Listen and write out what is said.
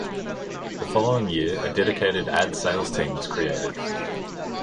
The following year, a dedicated ad sales team was created.